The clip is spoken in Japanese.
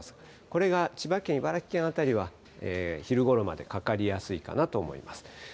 これが千葉県、茨城県辺りは、昼ごろまでかかりやすいかなと思います。